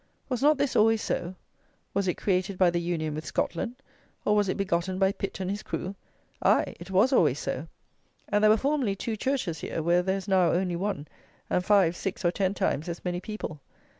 Was not this always so? Was it created by the union with Scotland; or was it begotten by Pitt and his crew? Aye, it was always so; and there were formerly two churches here, where there is now only one, and five, six, or ten times as many people.